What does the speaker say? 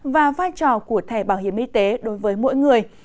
và vai trò của thẻ bảo hiểm y tế đối với mỗi người